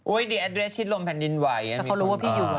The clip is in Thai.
โอ้ยเดี๋ยวแอดเรสชิดลมแผ่นดินไหว